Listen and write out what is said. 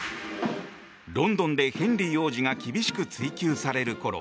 ロンドンでヘンリー王子が厳しく追及されるころ